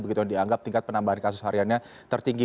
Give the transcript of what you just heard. begitu yang dianggap tingkat penambahan kasus hariannya tertinggi